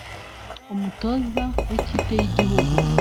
umutoza w’ikipe y’igihugu